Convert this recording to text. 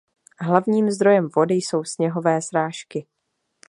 Hlavním zdrojem vody jsou sněhové srážky.